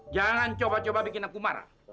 jangan coba coba bikin aku marah